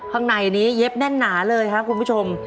ข้างในนี้เย็บแน่นหนาเลยครับคุณผู้ชม